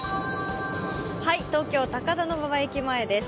東京・高田馬場駅前です。